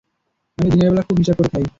আমি দিনের বেলা খুব হিসাব করে খাই।